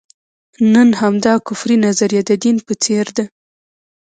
نن همدا کفري نظریه د دین په څېر ده.